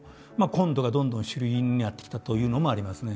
コントがどんどん主流になってきたというのもありますね。